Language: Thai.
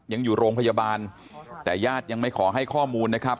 ยังอยู่โรงพยาบาลแต่ญาติยังไม่ขอให้ข้อมูลนะครับ